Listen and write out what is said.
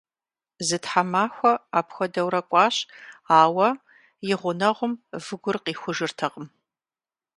Зы тхьэмахуэ апхуэдэурэ кӏуащ, ауэ и гъунэгъум выгур къихужыртэкъым.